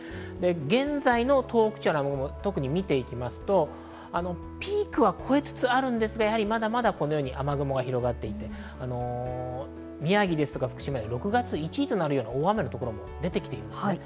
現在の東北地方の雨雲を見ていきますと、ピークは越えつつあるんですが、まだまだ雨雲が広がっていて、宮城、福島、６月１位となる大雨のところも出てきています。